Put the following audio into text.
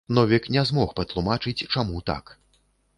Новік не змог патлумачыць, чаму так.